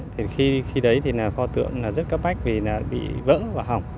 thì khi đấy thì là pho tượng rất cá bách vì bị vỡ và hỏng